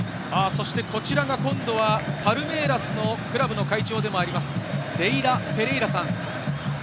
こちらが今度はパルメイラスのクラブの会長でもあります、レイラ・ペレイラさん。